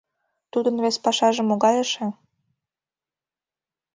Тудын вес пашаже могай эше?